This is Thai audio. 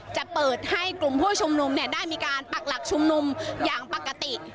จะเปิดให้กลุ่มผู้ชุมนุมเนี่ยได้มีการปักหลักชุมนุมอย่างปกติ